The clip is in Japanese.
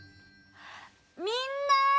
みんな！